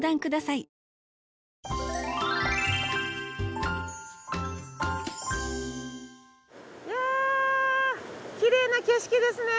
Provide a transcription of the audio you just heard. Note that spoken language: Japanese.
いやきれいな景色ですね。